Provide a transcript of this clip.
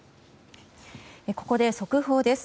ここで速報です。